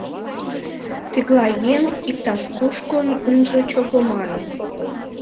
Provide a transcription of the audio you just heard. Тыглай еҥ — иктаж-кушко ынже чого манын.